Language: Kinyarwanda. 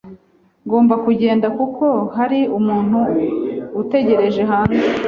Ngomba kugenda kuko hari umuntu utegereje hanze.